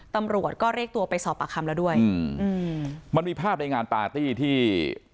ตำรวจก็เรียกตัวไปสอบปากคำแล้วด้วยอืมอืมมันมีภาพในงานปาร์ตี้ที่